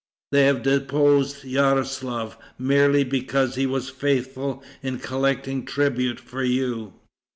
They have deposed Yaroslaf, merely because he was faithful in collecting tribute for you."